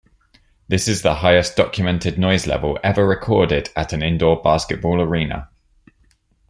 This is the highest documented noise level ever recorded at an indoor basketball arena.